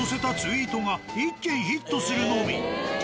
ヒットするのみ。